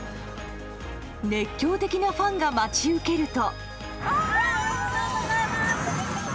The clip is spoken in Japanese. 熱狂的なファンが待ち受けると。